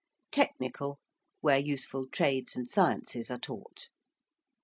~technical~: where useful trades and sciences are taught.